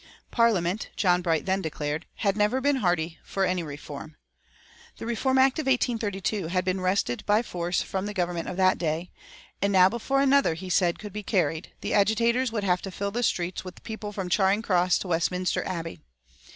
Parliament, John Bright then declared, had never been hearty for any reform. The Reform Act of 1832 had been wrested by force from the Government of that day, and now before another, he said, could be carried, the agitators would have to fill the streets with people from Charing Cross to Westminster Abbey.